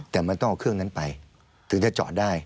แต่มันต้องเอาเครื่องนั้นไปถึงจะเจาะได้